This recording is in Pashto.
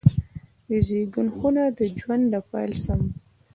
د زیږون خونه د ژوند د پیل سمبول دی.